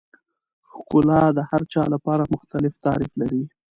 ښکلا د هر چا لپاره مختلف تعریف لري.